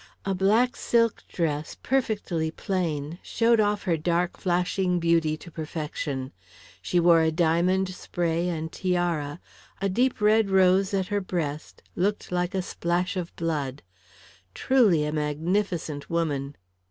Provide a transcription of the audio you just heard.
A black silk dress perfectly plain showed off her dark flashing beauty to perfection. She wore a diamond spray and tiara; a deep red rose at her breast looked like a splash of blood. Truly, a magnificent woman!